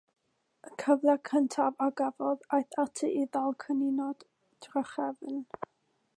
Y cyfle cyntaf a gafodd, aeth ati i ddal cwningod drachefn.